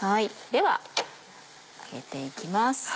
では上げていきます。